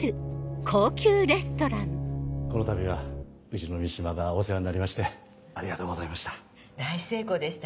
このたびはうちの三島がお世話になりましてありがとうございました。